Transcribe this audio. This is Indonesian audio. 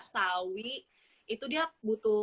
sawi itu dia butuh